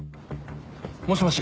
もしもし。